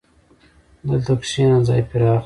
دلته کښېنه، ځای پراخ دی.